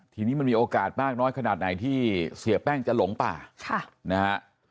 ทีนี้มันมีโอกาสมากน้อยขนาดไหนที่เสียแป้งจะหลงป่านะฮะ